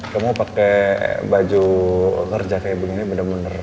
kamu pakai baju kerja kayak begini bener bener